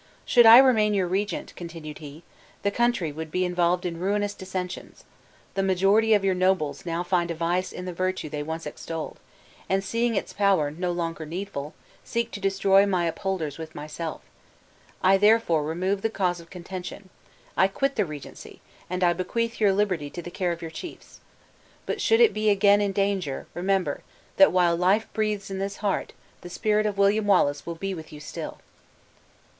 "Should I remain your regent," continued he, "the country would be involved in ruinous dissensions. The majority of your nobles now find a vice in the virtue they once extolled; and seeing its power, no longer needful, seek to destroy my upholders with myself. I therefore remove the cause of contention. I quit the regency; and I bequeath your liberty to the care of your chiefs. But should it be again in danger, remember, that while life breathes in this heart, the spirit of William Wallace will be with you still!"